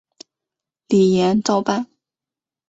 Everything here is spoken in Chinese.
李俨照办。